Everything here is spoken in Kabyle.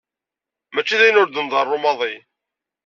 Mačči d ayen ur d-nḍerru maḍi.